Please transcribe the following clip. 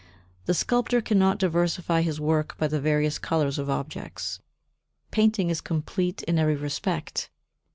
The sculptor cannot diversify his work by the various colours of objects; painting is complete in every respect.